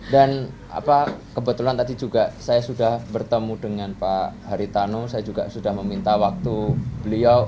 dan kebetulan tadi juga saya sudah bertemu dengan pak haritano saya juga sudah meminta waktu beliau